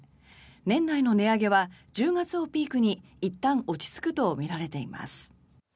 年内の値上げは１０月をピークにいったん落ち着くとみられています。